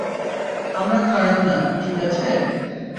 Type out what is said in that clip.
আমরা খারাপ না, ঠিক আছে?